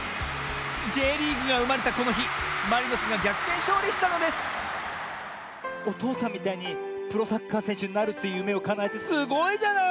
Ｊリーグがうまれたこのひマリノスがぎゃくてんしょうりしたのですおとうさんみたいにプロサッカーせんしゅになるというゆめをかなえてすごいじゃない。